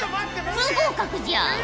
不合格じゃ！